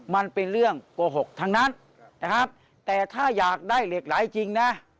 มันเป็นเรื่องโกหกทั้งนั้นนะครับแต่ถ้าอยากได้เหล็กไหลจริงนะ